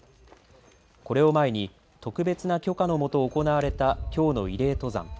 これを前に、特別な許可のもと行われた、きょうの慰霊登山。